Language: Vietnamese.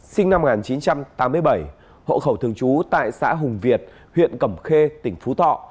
sinh năm một nghìn chín trăm tám mươi bảy hộ khẩu thường trú tại xã hùng việt huyện cẩm khê tỉnh phú thọ